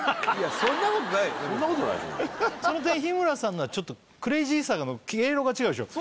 そんなことないと思うその点日村さんのはちょっとクレイジーさの毛色が違うでしょ